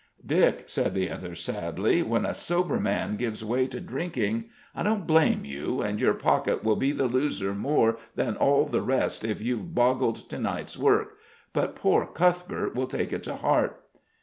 "Dick," said the other sadly, "when a sober man gives way to drinking I don't blame you: and your pocket will be the loser more than all the rest if you've boggled to night's work; but poor Cuthbert will take it to heart."